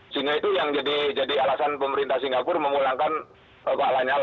sehingga itu yang jadi alasan pemerintah singapura memulangkan pak lanyala